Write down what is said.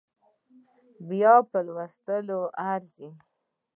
په بيا لوستو ارزي